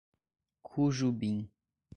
Cujubim